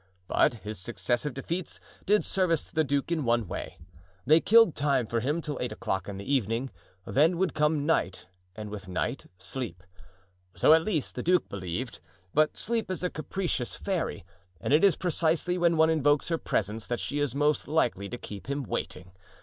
But his successive defeats did service to the duke in one way—they killed time for him till eight o'clock in the evening; then would come night, and with night, sleep. So, at least, the duke believed; but sleep is a capricious fairy, and it is precisely when one invokes her presence that she is most likely to keep him waiting.